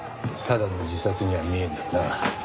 ただの自殺にゃ見えねえな。